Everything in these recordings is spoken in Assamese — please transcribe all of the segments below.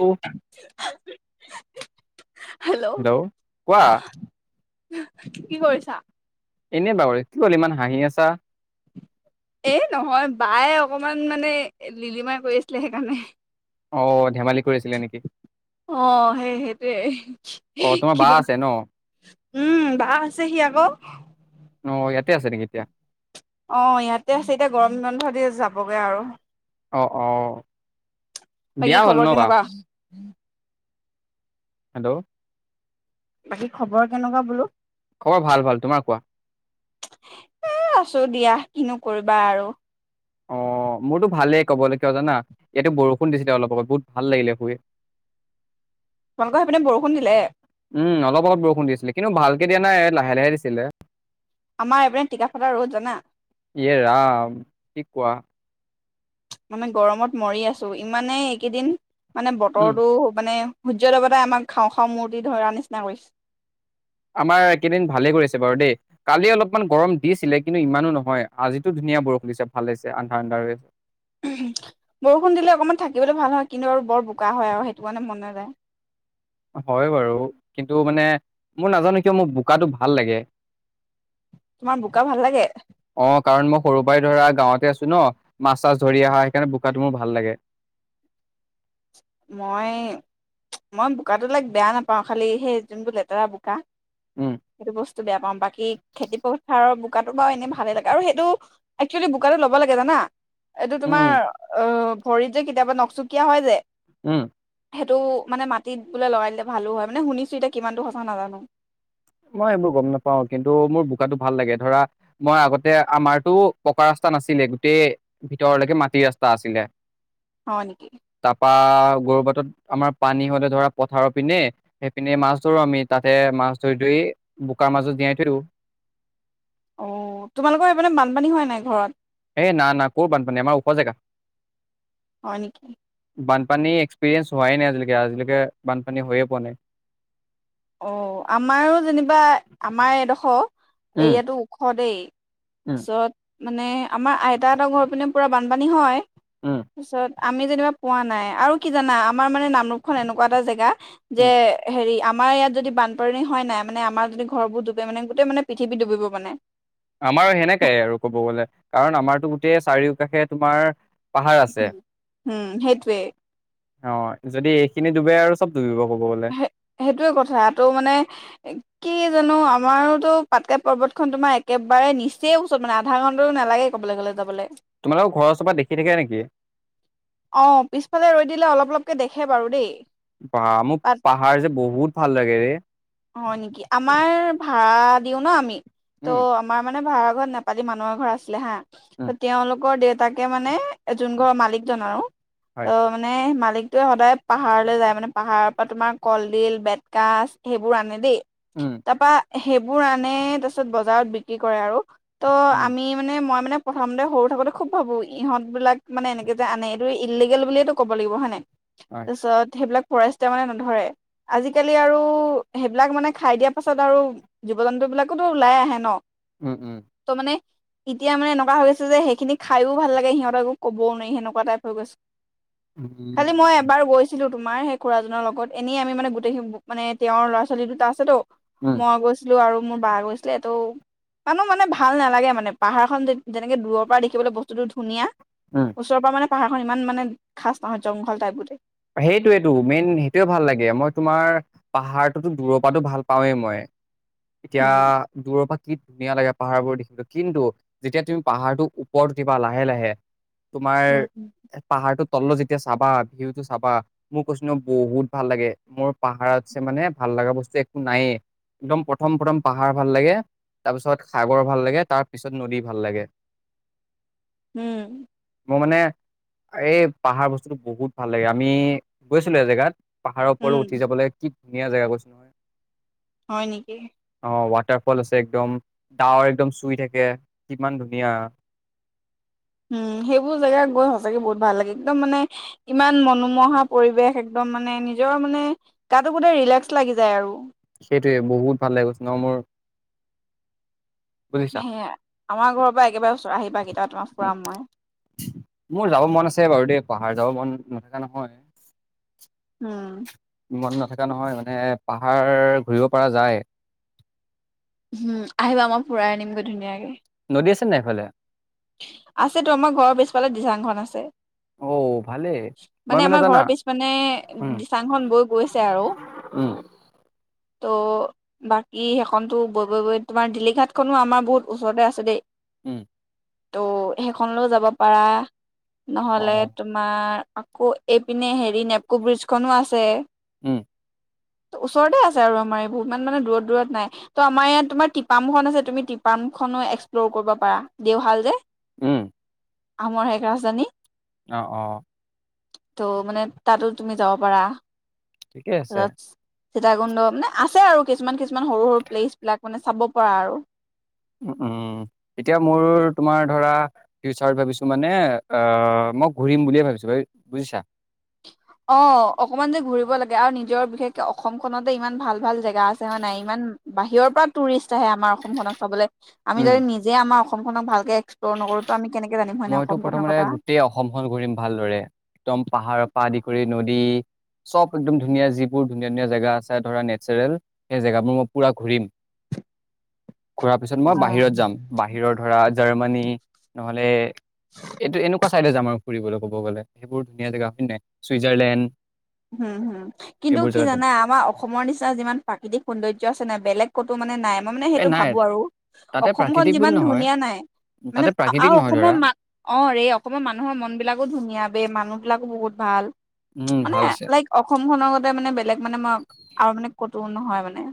হেল্ল' হেল্ল', কোৱা? কি কৰিছা? এনে বাগৰি কি হ'ল ইমান হাঁহি আছা? এ' নহয় বায়ে অকমান মানে লিলিমাই কৰি আছিলে সেইকাৰণে। অ', ধেমালি কৰিছিলে নেকি অ', সেই- সেইটোৱে অ তোমাৰ কি বা আছে ন উম, বা আছেহি আকৌ। অ ইয়াতে আছে নেকি এতিয়া অহ, ইয়াতে আছে এতিয়া গৰম বন্ধ দিয়ে যাবগে আৰু। অ', -অ', বিয়া বাকি হ'ল ন খবৰ বা কেনেকুৱা? হেল্ল', বাকী খবৰ কেনেকুৱা বোলো? খবৰ ভাল ভাল তোমাৰ কোৱা। এ আছো দিয়া কিনো কৰিবা আৰু। অ অ মোৰতো ভালেই কবলৈ কিয় জানা ইয়াতো বৰষুণ দিছিলে অলপত বহুত ভাল লাগিলে শুই। [inaudible] তোমালোকৰ সেইপিনে বৰষুণ দিলে। উম অলপ অলপ আগত বৰষুণ দিছিলে কিন্তু ভালকে দিয়া নাই লাহে লাহে দিছিলে। আমাৰ এইপিনে টিকা ফটা ৰ'দ জানা এ ৰাম কি কোৱা। মানে গৰমত মৰি আছো ইমানে এইকেইদিন মানে উম বতৰটো মানে সূৰ্য দেৱতাই আমাক খাওঁ খাওঁ মূৰ্তি ধৰাৰ নিচিনা কৰিছে। আমাৰ একেইদিন ভালে কৰিছে বাৰু দেই কালি অলপমান গৰম দিছিলে কিন্তু ইমানো নহয় আজিটো ধুনীয়া। ধুনীয়া বৰষুণ দিছে ভাল হৈছে আন্ধাৰ আন্ধা হৈ হৈছে। বৰষুণ দিলে অকণমান থাকিবলৈ ভাল হয় কিন্তু বৰ বোকা হয় আৰু সেইটো কাৰণে মন যায়। হয় বাৰু কিন্তু মানে মোৰ নাজানো কিয় মোক বোকাটো ভাল লাগে তোমাৰ বোকা ভাল লাগে? অ কাৰণ মই সৰু পৰাই ধৰা গাঁৱতে আছো ন মাছ চাছ ধৰি অহা সেইকাৰণে বোকাটো মোৰ ভাল লাগে মই মই বোকাটো লাইক বেয়া নাপাওঁ খালি সেই যোনটো লেতেৰা বোকা উম সেইটো বস্তু বেয়া পাওঁ বাকী খেতি পথাৰৰ বোকাটো বাৰু এনেই ভালে লাগে আৰু সেইটো এক্চুৱেলি বোকাতটো ল'ব লাগে জানা এইটো তোমাৰ উম অ ভৰিত যে কেতিয়াবা নখচুকীয়া হয় যে উম সেইটো মানে মাটিত বোলে লগাই দিলে ভালো হয় মানে শুনিছো এতিয়া কিমানতো সঁচা নাজানো মই এইবোৰ গম নাপাও কিন্তু মোৰ বোকাটো ভাল লাগে ধৰা মই আগতে আমাৰতো পকা ৰাস্তা ৰাস্তা নাছিলে গোটেই ভিতৰলৈকে মাটি ৰাস্তা আছিলে হয় নেকি? তাপা গৰু বাটত আমাৰ পানী হ'লে ধৰা পথাৰৰ পিনে সেই পিনে মাছ ধৰো আমি তাতে মাছ ধৰি ধৰি বোকাৰ মাজত জীয়াই থৈ দিও অ তোমালোকৰ এই পিনে বানপানী হয় নাই ঘৰত এ না না কৰ বানপানী আমাৰ ওখজেগা হয় নেকি। বানপানী এক্সপিৰিয়েঞ্চ হোৱাই নাই আজিলৈকে আজিলৈকে বানপানী হৈয়ে পোৱা নাই অ আমাৰো যেনিবা আমাৰ এডোখৰ উম এৰিয়াতো ওখ দেই তাৰ উম পিছত মানে আমাৰ আইতা হতৰ ঘৰৰ পিনে পোৰা বানপানী হয় উম তাৰপিছত আমি যেনিবা পোৱা নাই আৰু কি জানা আমাৰ মানে নামৰূপ খন এনেকুৱা এটা জেগা যে উম হেৰি আমাৰ ইয়াত যদি বানপানী হয় নাই মানে আমাৰ যদি ঘৰবোৰ ডুবে মানে গোটেই মানে পৃথিৱী ডুবিব মানে আমাৰ সেনেকাই আৰু কব গলে কাৰণ আমাৰতো গোটেই চাৰিওকাষে তোমাৰ পাহাৰ আছে উম সেইটোৱে অ যদি এইখিনি ডুবে আৰু চব ডুবিব ক'ব গ'লে হ সেইটোয়ে কথা ত মানে কি জানো আমাৰোতো পাতকাই পৰ্বতখন তোমাৰ একেবাৰে নিচেই ওচৰত মানে আধা ঘণ্টাটো নালাগে ক কলেজ লে যাবলে তোমালোকৰ ঘৰৰ ওচৰৰ পা দেখি থাকে নেকি অ পিছফালে ৰৈ দিলে অলপ অলপকে দেখে বাৰু দেই বাহ মোৰ তাত পাহাৰ যে বহুত ভাল লাগে ৰে হয় নেকি আমাৰ ভা়ড়া দিও ন আমি ত' উম আমাৰ মানে ভা়ড়া ঘৰত নেপালী মানুহৰ ঘৰ আছিলে হা ত উম তেওঁলোকৰ দেউতাকে মানে যোন উম ঘৰৰ মালিকজন আৰু হয় ত মানে মালিক সদায় পাহাৰলৈ যায় মানে পাহাৰ উম তাপা সেইবোৰ আনে তাৰছত বজাৰত বিক্ৰী কৰে আৰু ত উম আমি মানে মই মানে প্ৰথমতে সৰু থাকোতে খুব ভাবো ইহঁত বিলাক মানে এনেকে যে আনে এইটো ইলিগেল বুলিয়েটো ক'ব লাগিব হয় নাই হয় তাৰপিছত সেইবিলাক ফৰেষ্টাৰ মানে নধৰে আজিকালি আৰু সেইবিলাক মানে খাই দিয়া পাছত আৰু জীৱ জন্তু বিলাকোতো ওলাই আহে ন উম উম ত মানে এতিয়া মানে এনেকোৱা হৈ গৈছে যে সেইখিনি খায়ো ভাল লাগে সিহঁতক একো ক'বও নোৱাৰি সেনেকোৱা টাইপ হৈ গৈছে উম খালি মই এবাৰ গৈছিলো তোমাৰ সেই খুৰাজনৰ লগত এনেই আমি মানে গোটেইখিনি মানে তেওঁৰ ল'ৰা ছোৱালী দুটা আছেতো উম মই গৈছিলো আৰু মোৰ বা গৈছিলে ত মানো মানে ভাল নালাগে মানে পাহাৰখন যেনেকে দূৰৰ পৰা দেখিবলৈ বস্তুতো ধুনীয়া উম ওচৰৰ পৰা মানে পাহাৰখন ইমান মানে খাচ নহয় জংঘল টাইপ গোটেই সেইটোয়েটো মেইন সেইটোয়ে ভাল লাগে মই তোমাৰ পাহাৰটোতো দূৰৰ পৰা ভাল পাওঁৱেই মই এতিয়া উম দূৰৰ পৰা কি ধুনীয়া লাগে পাহাৰবোৰ দেখিলো কিন্তু যেতিয়া তুমি পাহাৰটো ওপৰত উঠিবা লাহে লাহে তোমাৰ উম পাহাৰটোৰ তললে যেতিয়া চাবা ভিউ চাবা মোৰ কৈছোঁ নহয় বহুত ভাল লাগে মোৰ পাহাৰত ছে মানে ভাল লগা বস্তু একো নায়েই, একদম প্ৰথম প্ৰথম পাহাৰ ভাল লাগে, তাৰপিছত সাগৰ ভাল লাগে, তাৰ পিছত নদী ভাল লাগে। উম। মোৰ মানে এই পাহাৰ বস্তুতটো বহুত ভাল লাগে আমি গৈছিলো এজেগাত। পাহাৰৰ উম, ওপৰলৈ উঠি যাবলৈ কি ধুনীয়া জেগা কৈছো হয় নেকি? অ ৱাটাৰ ফল আছে একদম ডাৱৰ একদম চুই থাকে কিমান ধুনীয়া [inaudible] উম সেইবোৰ জেগা গৈ সঁচাকে বহুত ভাল লাগে, একদম মানে ইমান মনোমোহা পৰিৱেশ একদম। মানে নিজৰ মানে গাটো গোটেই ৰিলেক্স লাগি যায় আৰু। সেইটোৱে বহুত ভাল লাগে কৈছো নহয় মোৰ। বুজিছা সেয়াই আমাৰ ঘৰৰ পৰা একেবাৰে ওচৰ আহিবা কেতিয়াবা ফুৰাম মই। মোৰ যাব মন আছে বাৰু দেই, পাহাৰ যাব মন নথকা নহয়। উম। মন নথকা নহয় মানে পাহাৰ ঘূৰিব পৰা যায়। উম আহিবা আমাৰ ফুৰাই আনিমগৈ ধুনীয়াকে। নদী আছে নাই সেইফালে? আছেতো আমাৰ ঘৰৰ পিছফালে দিচাংখন আছে। অ ভালেই মই মানে আমাৰ জানা ঘৰৰ পিছপিনে উম দিচাংখন বৈ গৈছে আৰু। [inaudible] ত' বাকী সেইখনতো বৈ বৈ বৈ তোমাৰ দিলীঘাটখনো আমাৰ বহুত ওচৰতে আছে দেই। উম। ত' সেইখনলৈ যাব পাৰা অ নহলে, তোমাৰ আকৌ এইপিনে হেৰি নেপকো ব্ৰিজখনো আছে। উম। ওচৰতে আছে আৰু আমাৰ এইবোৰ, ইমান মানে দূৰত দূৰত নাই। তহ আমাৰ ইয়াত তোমাৰ টিপামুখন আছে তুমি টি পামখনো এক্সপ্ল'ৰ কৰিব পাৰা দেওশাল যে। উম। আহোমৰ শেষ ৰাজধানী। অ অ। ত' মানে তাতো তুমি যাব পাৰা। ঠিকে আছে। চীতাকুণ্ড মানে আছে আৰু কিছুমান কিছুমান সৰু সৰু প্লেচ বিলাক, মানে চাব পাৰা আৰু। উম‌ এতিয়া মোৰ তোমাৰ ধৰা ফিউচাৰত ভাবিছো মানে অ মই ঘূৰিম বুলিয়ে ভাবিছো ভ বুজিছা? অ অকমান যে ঘুৰিব লাগে আৰু নিজৰ বিশেষকে অসমখনতে ইমান ভাল ভাল জে গা আছে হয় নাই? ইমান বাহিৰৰ পৰা টুৰিষ্ট আহে আমাৰ অসমখনক চাবলে, আমি উম যদি নিজে আমাৰ অ অসমখনক ভালকে এক্সপ্লৰ নকৰো, তহ আমি কেনেকে জানিম হয় নাই মইতো অসমখনৰ প্ৰথমতে কথা গোটেই অসমখন ঘূৰিম ভালদৰে। একদম পাহাৰৰ পৰা আদি কৰি নদী দী চব একদম ধুনীয়া যিবোৰ ধুনীয়া ধুনীয়া জেগা আছে ধৰা নেচাৰেল, সেই জেগাবোৰ মই পুৰা ঘূৰিম। [inaudible] ঘূৰা পিছত মই বাহিৰত যাম। বাহিৰৰ ধৰা জাৰ্মানী নহলে এইটো এনেকুৱা চাইডে যাম আৰু ফুৰিবলৈ ক'ব গ'লে। সেইবোৰ ধুনীয়া জেগা হয় নাই? চুইজাৰলেণ্ড হুম হুম। কিন্তু এইবোৰ কি জেগাত যাম জানা আমাৰ অসমৰ নিচিনা যিমান প্ৰাকৃতিক সৌন্দৰ্য আছে নাই বেলেগ ক'তো মানে নাই। মই মানে এ সেইটো নাই ভাবো আৰু, তাতে অসমখন প্ৰাকৃতিক বুলি যিমান নহয় ধুনীয়া নাই মানে তাতে প্ৰাকৃতিক আৰু নহয় অসমৰ ধৰা মান অ ৰে অসমৰ মানুহৰ মন বিলাকো ধুনীয়া বে মানুহ বিলাকো বহুত ভাল উম মানে ভাল আছে। লাইক অসমখনৰ গতে মানে বেলেগ মানে মই আৰু মানে কতো নহয় মানে।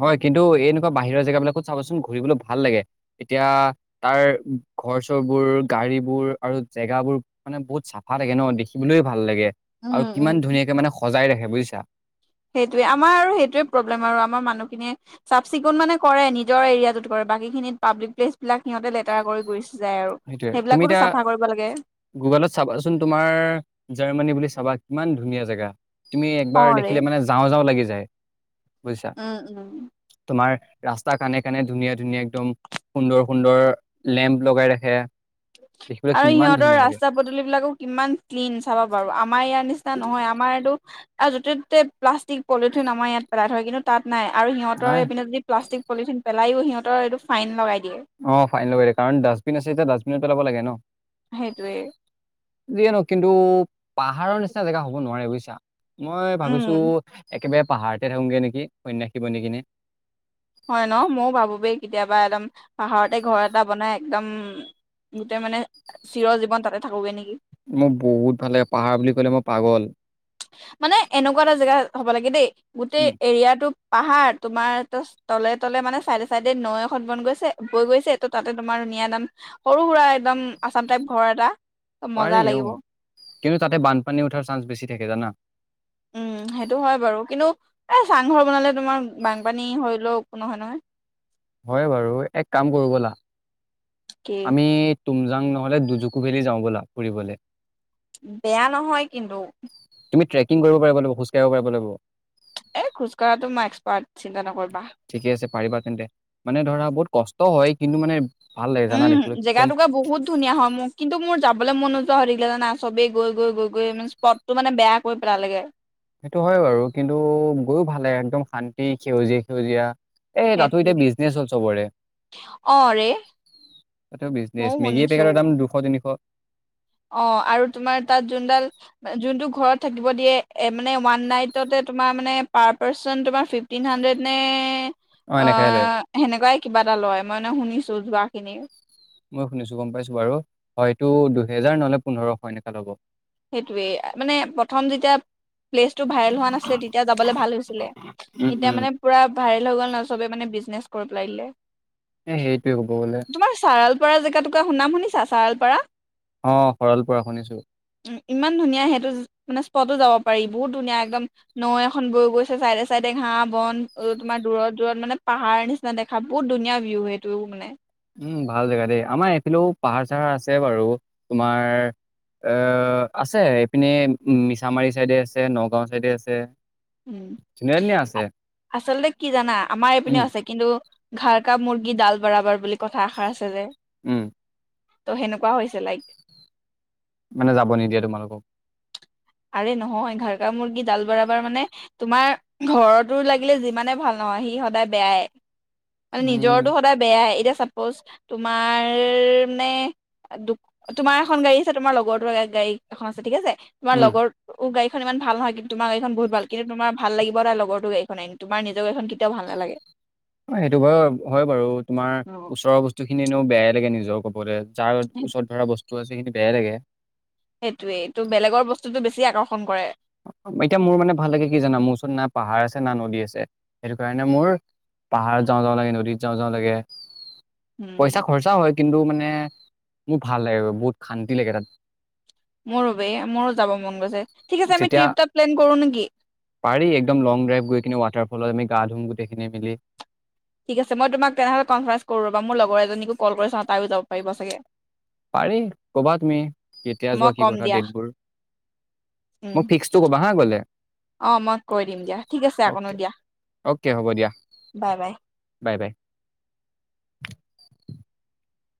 হয়। কিন্তু এনেকুৱা বাহিৰৰ জেগাবিলাকত চাবাচোন ঘুৰিবলৈ ভাল লাগে। এতিয়া তাৰ ঘৰ-চৰবোৰ, গাড়ী বোৰ আৰু জেগাবোৰ মানে বহুত চাফা থাগে ন দেখিবলৈয়ে ভাল লাগে। উম আৰু কিমান ধুনীয়াকে মানে সজাই ৰাখে বুজিছা। সেইটোৱে। আমাৰ আৰু সেইটোৱে প্ৰব্লেম আৰু আমাৰ মানুহখিনিয়ে চাফ চিকুণ মানে কৰে নিজৰ এৰিয়াতটোত কৰে। বাকী খিনিত পাবলিক প্লেচ বিলাক সিহঁতে লেতেৰা কৰি কৰিছে। সেইটোৱে। তুমি এতিয়া গুগলত চাবাচোন তোমাৰ জাৰ্মানী বুলি চাবা। ইমান ধুনীয়া জেগা। তুমি অ একবাৰ ৰে দেখিলে মানে যাওঁ যাওঁ লাগি যায়। বুজিছা? উম উম তোমাৰ ৰাস্তা কানে-কানে ধুনীয়া-ধুনীয়া একদম সুন্দৰ-সুন্দৰ লেম্প লগাই ৰাখে। দেখিবলৈ আৰু কিমান সিহঁতৰ ধুনীয়া লাগে ৰাস্তা পদূলি বিলাকো কিমান ক্লিন চাবা বাৰু। আম আমাৰ ইয়াৰ নিচিনা নহয়। আমাৰ এইটো য'তে ত'তে প্লাষ্টিক, পলিথিন আমাৰ ইয়াত পেলাই থয়। কিন্তু তাত নাই আৰু সিহঁতৰ নাই এইপিনে যদি প্লাষ্টিক পলিথিন পেলাইও সিহঁতৰ এইটো ফাইন লগাই দিয়ে। অ ফাইন লগাই কাৰণ ডাষ্টবিন আছে যেতিয়া ডাষ্টবিনত পেলাব লাগে ন। সেইটোৱেই। যিয়েনো কিন্তু পাহাৰৰ নিচিনা জেগা হব নোৱাৰে বুইছা। মই উম ভাবিছো একেবাৰে পাহাৰতে থাকোগে নেকি, সন্যাসী বনি কিনে। হয় ন? মইও ভাবো বে কেতিয়াবা একদম পাহাৰতে ঘৰ এটা বনাই একদম গোটেই মানে চিৰ জীৱন তাতে থাকোগে নেকি? মোৰ বহুত ভাল লাগে। পাহাৰ বুলি ক'লে মই পাগল। মানে এনেকুৱা এটা জেগা হ'ব লাগে দেই। গোটেই উম, এৰিয়াটো পাহাৰ, তোমাৰ তলে তলে মানে চাইডে চাইডে নৈ এখন বন গৈছে বৈ গৈছে। ত তাতে তোমাৰ ধুনীয়া একদম সৰু সুৰা একদম আছাম টাইপ ঘৰ এটা। মজা পাৰি অ। লাগিব কিন্তু তাতে বানপানী উঠাৰ চান্স বেছি থাকে জানা। উম [unintelligible] সেইটো হয় বাৰু। কিন্তু এ চাংঘৰ বনালে তোমাৰ বানপানী হলেও একো নহয় নহয়। হয় বাৰু। এক কাম কৰো বলা। কি আমি তুমজাং নহলে দুজুকু ভেলি যাওঁ ব'লা ফুৰিবলে। বেয়া নহয় কিন্তু। কিং কৰিব পাৰিব লাগিব, খোজকাঢ়িব পাৰিব লাগিব। এ খোজ কঢ়াটো মই এক্সপাৰ্ট, চিন্তা নকৰ ঠিকে আছে। পাৰিবা তেন্তে। মানে ধৰা বহুত কষ্ট হয়, কিন্তু মানে ভাল লাগে জানা দেখিবলৈ উম একদম জেগা টুকুৰা বহুত ধুনীয়া হয়। মোক কিন্তু মোৰ যাবলৈ মন নোযোৱা হৈ থাকিলে জানা। চবেই গৈ গৈ গৈ গৈ মানে স্পট টো মানে বেয়া কৰি পেলালেগে। সেইটো হয় বাৰু। কিন্তু গৈও ভাল লাগে। একদম শান্তি সেউজীয়া-সেউজীয়া। এ তাতো এতিয়া সেইটোৱে বিজনেচ হ'ল চবৰে। অ ৰে তাতেও বিজনেছ। ময়ো মেগী শুনিছো পেকেটৰ দাম দুশ, তিনিশ। অ আৰু তোমাৰ তাত যোনডাল যোনটো ঘৰত থাকিব দিয়ে। মানে ওৱান নাইটতে তোমাৰ মানে পাৰ পাৰ্চন তোমাৰ ফিফটিন হাণ্ড্ৰেড নে এনেকাই লয় অ' সেনেকুৱাই কিবা এটা লয়। মই এনে শুনিছো যোৱাখিনি মই শুনিছো, গম পাইছো বাৰু। হয়তো দুহেজাৰ নহ'লে পোন্ধৰশ এনেকা ল'ব। সেইটোৱেই, মানে প্ৰথম যেতিয়া প্লেচটো ভাইৰেল হোৱা নাছিলে তেতিয়া যাবলে ভাল হৈছিলে। উম এতিয়া উম মানে পুৰা ভাইৰেল হৈ গ'ল নহয় চবে মানে বিজনেছ কৰি পেলাই দিলে এ সেইটোৱেই ক'ব গ'লে। পাৰা জেগা তুকা নাম শুনিছা? চাৰলপাৰা অ' শৰালপৰা শুনিছো। ইমান ধুনীয়া সেইটো মানে স্পতো যাব পাৰি। বহুত ধুনীয়া একদম, নৈ এখন বৈ গৈছে চাইডে চাইডে ঘাঁ-বন, তোমাৰ দূৰত দূৰত মানে পাহাৰ নিচিনা দেখা, বহুত ধুনীয়া ভিউ সেইটো মানে। উম ভাল জেগা দেই। আমাৰ এইফিলেও পাহাৰ-চাহাৰ আছে বাৰু! তোমাৰ এ আছে। এইপিনে মিছামাৰী চাইডে আছে, নগাঁও চাইডে আছে। উম ধুনীয়া ধুনীয়া আছে আচলতে কি জানা? আমাৰ উম এইপিনেও আছে কিন্তু ''ঘৰ্‌কা মুৰ্গী ডাল বৰাবৰ ''বুলি কথা এষাৰ আছে যে। উম ত' সেনেকুৱা হৈছে লাইক। মানে যাব নিদিয়ে তোমালোকক। আৰে নহয়, ঘৰকা মুৰ্গী ডাল বৰাবৰ মানে, তোমাৰ ঘৰৰটো লাগিলে যিমানেই ভাল নহক অ' সি সদায় বেয়াই, মানে উম নিজৰটো সদায় বেয়াই। এতিয়া চাপজ, তোমাৰ নে, তোমাৰ এখন গাড়ী আছে, তোমাৰ লগতটোৰ গাড়ী এখন আছে ঠিকে আছে, তোমাৰ উম লগৰটোৰ গাড়ী খন ইমান ভাল নহয় কিন্তু তোমাৰ গাড়ীখন বহুত ভাল। কিন্তু তোমাৰ ভাল লাগিব সদায় তোমাৰ লগৰটোৰ গাড়ীখনহে। তোমাৰ নিজৰ গাড়ীখন কেতিয়াও ভাল নালাগে। অ', সেইটো বাৰু হয় বাৰু। তোমাৰ ওচৰৰ বস্তুখিনি এনেয়ো বেয়াই লাগে নিজৰ ক'বলে। যাৰ ওচৰত ধৰা বস্তু আছে, সেইখিনি বেয়াই লাগে। সেইটোয়েইটো, বেলেগৰ বস্তুটো বেছি আকৰ্ষণ কৰে। এতিয়া মোৰ মানে ভাল লাগে কি জানা? মোৰ ওচৰত না পাহাৰ আছে না নদী আছে। সেইটোৰ কাৰণে মোৰ পাহাৰত যাওঁ যাওঁ লাগে, নদীত যাওঁ যাওঁ লাগে। পইচা উম খৰচা হয়। কিন্তু মানে মোৰ ভাল লাগে, বহুত শান্তি লাগে তাত। মোৰো বে মোৰো যাব মন গৈছে ঠিক আছে আমি যেতিয়া, ট্ৰিপ এটা প্লেন কৰো নেকি পাৰি একদম লং ড্ৰাইভ গৈ কিনে ৱাটাৰ পুলত আমি গা ধুম, গোটেইখিনিয়ে মিলি। ঠিক আছে। মই তোমাক তেনেহ'লে কনফাৰেঞ্চ কৰো ৰ'বা। মোৰ লগৰ এজনীকো কল কৰি চাওঁ, তাইয়ো যাব পাৰিব চাগে। পাৰি, ক'বা তুমি! কেতিয়া যোৱা, মই কি কম কথা দিয়া ডেটবোৰ। উম মোক ফিক্সটো ক'বা হা গ'লে। অ', মই কৈ দিম দিয়া। ঠিক আছে, আকনো অ'কে দিয়া। অকে, হ'ব দিয়া। Bye bye. Bye bye.